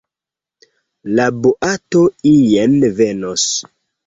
La boato ien venos.